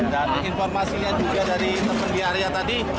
dan informasinya juga dari teman di area tadi